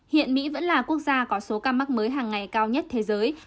hiện mỹ vẫn là quốc gia có số ca mắc mới hàng ngày cao nhất thế giới